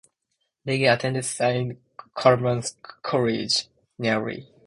Legge attended Saint Colman's College, Newry.